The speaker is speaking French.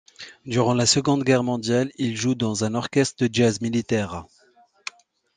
Durant la Seconde Guerre mondiale, il joue dans un orchestre de jazz militaire.